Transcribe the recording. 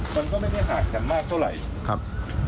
มันก็ไม่ได้ห่างกันมากเท่าไหร่ครับ